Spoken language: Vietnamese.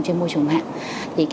trên môi trường mạng